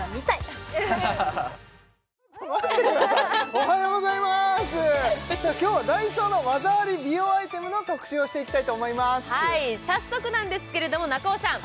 おはようございますさあ今日はＤＡＩＳＯの技あり美容アイテムの特集をしていきたいと思います早速なんですけれども中尾さん